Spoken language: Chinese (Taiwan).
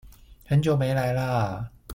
很久沒來了啊！